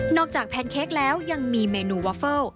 จากแพนเค้กแล้วยังมีเมนูวาเฟิล